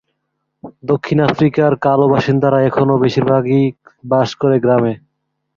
দক্ষিণ আফ্রিকার কালো বাসিন্দারা এখনো বেশির ভাগই বাস করে গ্রামে।